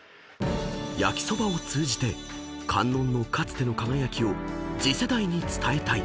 ［焼きそばを通じて観音のかつての輝きを次世代に伝えたい］